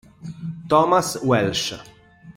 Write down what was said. Thomas Welsh